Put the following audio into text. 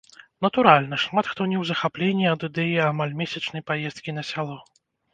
Натуральна, шмат хто не ў захапленні ад ідэі амаль месячнай паездкі на сяло.